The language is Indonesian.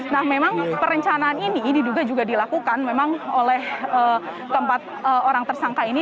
nah memang perencanaan ini diduga juga dilakukan memang oleh keempat orang tersangka ini